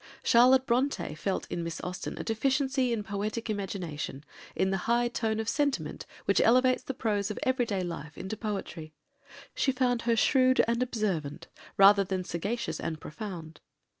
Charlotte Brontë felt in Miss Austen a deficiency in poetic imagination, in the high tone of sentiment which elevates the prose of everyday life into poetry. She found her "shrewd and observant rather than sagacious and profound."